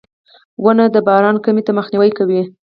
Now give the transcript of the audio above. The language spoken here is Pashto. • ونه د باران کمي ته مخنیوی کوي.